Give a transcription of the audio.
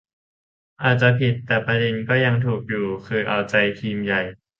อาจจะผิด แต่ประเด็นยังถูกอยู่ คือเอาใจทีมใหญ่